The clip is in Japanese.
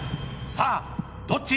さあ、どっち？